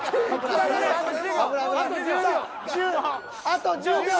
あと１０秒。